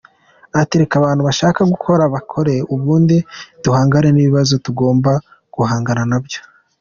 Ati “Reka abantu bashaka gukora bakore, ubundi duhangane n’ibibazo tugomba guhangana nabyo.